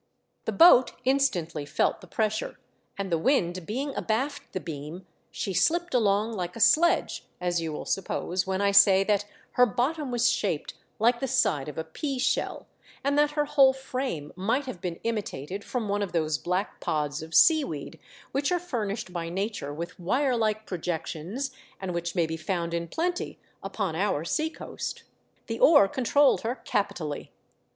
The boat instantly felt the pressure, and the wind being abaft the beam, she slipped along like a sledge, as you will suppose, when I say that her bottom was shaped like the side of a pea shell, and that her whole frame mio'ht have been imitated from one of those O black pods of sea weed which are furnished by nature with wire like projections, and 504 THE DEATH SHIP. which may be found in plenty upon our sea coast. The oar controlled her capitally.